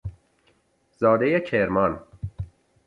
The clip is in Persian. زادهی کرمان